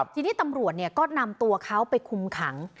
ทีนี้ตำรวจก็นำตัวเขาไปคุมขัง